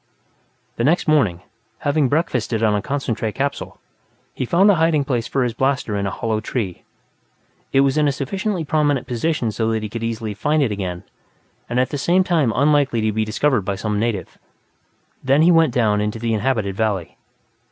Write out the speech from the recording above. The next morning, having breakfasted on a concentrate capsule, he found a hiding place for his blaster in a hollow tree. It was in a sufficiently prominent position so that he could easily find it again, and at the same time unlikely to be discovered by some native. Then he went down into the inhabited valley.